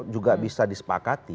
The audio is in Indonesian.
juga bisa disepakati